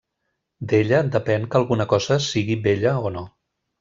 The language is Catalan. D'ella depèn que alguna cosa sigui bella o no.